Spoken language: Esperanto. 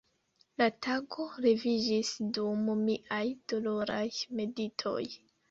La tago leviĝis dum miaj doloraj meditoj.